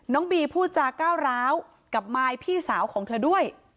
บีพูดจาก้าวร้าวกับมายพี่สาวของเธอด้วย